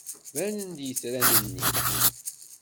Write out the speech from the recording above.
Banen-d yitran-nni.